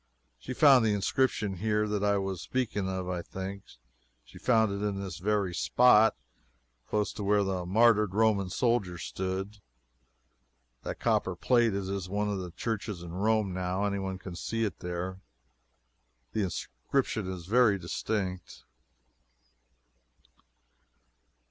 She found the inscription here that I was speaking of, I think. She found it in this very spot, close to where the martyred Roman soldier stood. That copper plate is in one of the churches in Rome, now. Any one can see it there. The inscription is very distinct.